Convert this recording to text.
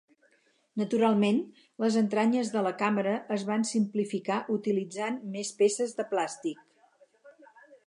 Naturalment, les entranyes de la càmera es van simplificar utilitzant més peces de plàstic.